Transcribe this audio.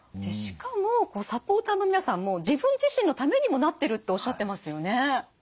しかもサポーターの皆さんも自分自身のためにもなってるっておっしゃってますよね。